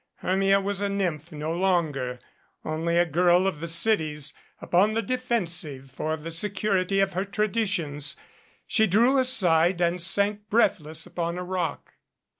Hermia was a nymph no longer only a girl of the cities, upon the defensive for the security of her tra ditions. She drew aside and sank breathless upon a rock.